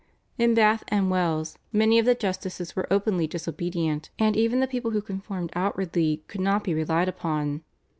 In Bath and Wells many of the justices were openly disobedient, and even the people who conformed outwardly could not be relied upon.